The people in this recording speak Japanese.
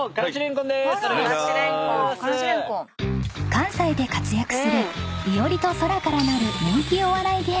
［関西で活躍する伊織と青空からなる人気お笑い芸人］